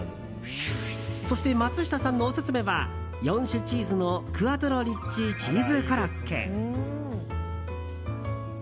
そして松下さんのオススメは４種チーズのクアトロリッチチーズコロッケ。